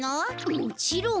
もちろん。